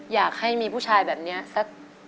อยากให้มีผู้ชายแบบนี้สัก